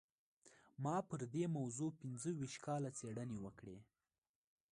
ما پر دې موضوع پينځه ويشت کاله څېړنې وکړې.